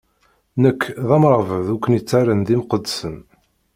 Nekk, d amṛabeḍ i ken-ittarran d imqeddsen.